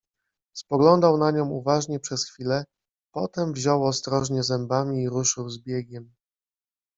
Spoglądał na nią uważnie przez chwilę, potem wziął ostrożnie zębami i ruszył z biegiem